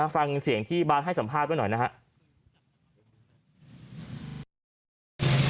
ฟังเสียงที่บาสให้สัมภาษณ์ไว้หน่อยนะครับ